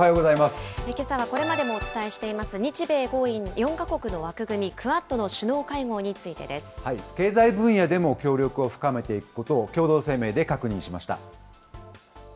けさはこれまでもお伝えしています日米豪印４か国の枠組み、クアッドの首脳会合についてです。経済分野でも協力を深めていくことを共同声明で確認しました。